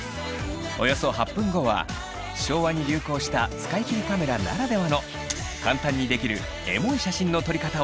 およそ８分後は昭和に流行した使い切りカメラならではの簡単にできるエモい写真の撮り方を紹介！